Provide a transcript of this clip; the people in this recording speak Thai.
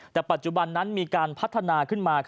แต่ปัจจุบันนั้นมีการพัฒนาขึ้นมา